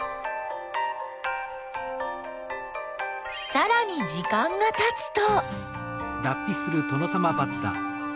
さらに時間がたつと。